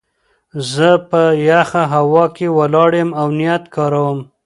زه په يخه هوا کې ولاړ يم او نيټ کاروم.